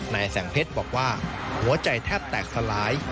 นายแสงเพชรบอกว่าหัวใจแทบแตกสลาย